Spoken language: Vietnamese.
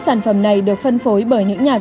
trong người các loại kem càng ngọt